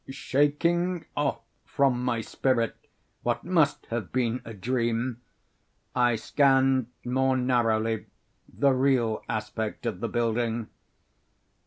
Shaking off from my spirit what must have been a dream, I scanned more narrowly the real aspect of the building.